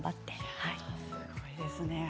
すごいですね。